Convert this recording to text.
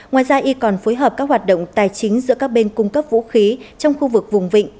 ngoài ra y còn phối hợp các hoạt động tài chính giữa các bên cung cấp vũ khí trong khu vực vùng vịnh